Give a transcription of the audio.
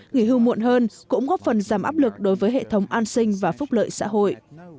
nghỉ hưu muộn hơn cũng góp phần giảm áp lực đối với hệ thống an sinh và phúc lợi xã hội